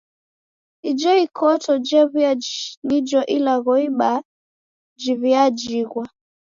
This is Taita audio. Ijo ikoto jew'uya nijo ilagho ibaa jaw'iajighwa